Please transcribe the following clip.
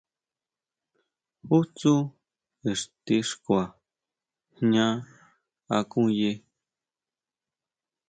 ¿Jú tsú ixtixkua jña akuye?